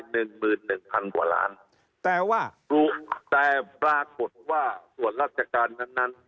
หนึ่งหมื่นหนึ่งพันกว่าล้านแต่ว่าปลูกแต่ปรากฏว่าส่วนราชการนั้นนั้น